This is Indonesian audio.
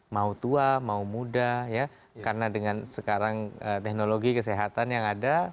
mau tua mau muda ya karena dengan sekarang teknologi kesehatan yang ada